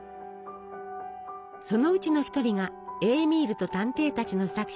そのうちの１人が「エーミールと探偵たち」の作者ケストナー。